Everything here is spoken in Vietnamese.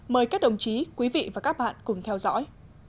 mời các đồng chí quý vị và các bạn cùng theo dõi